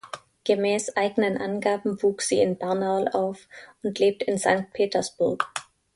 Gemäß eigenen Angaben wuchs sie in Barnaul auf und lebt in Sankt Petersburg.